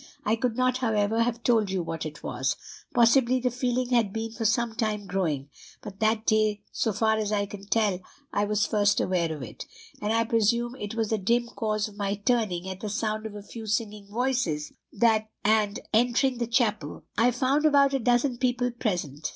I could not, however, have told you what it was. Possibly the feeling had been for some time growing; but that day, so far as I can tell, I was first aware of it; and I presume it was the dim cause of my turning at the sound of a few singing voices, and entering that chapel. I found about a dozen people present.